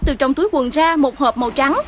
từ trong túi quần ra một hộp màu trắng